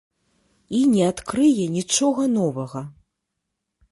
І не адкрые нічога новага.